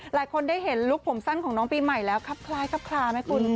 หลายคนได้เห็นลุคผมสั้นของน้องปีใหม่แล้วครับคล้ายครับคลาไหมคุณ